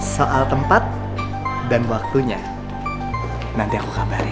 soal tempat dan waktunya nanti aku kabarin